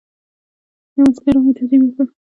یو عسکر راغی تعظیم یې وکړ.